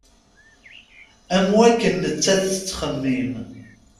Am wakken nettat tettxemmim.